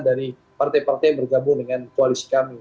jadi partai partai yang bergabung dengan koalisi kami